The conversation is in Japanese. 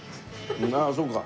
ああそうか。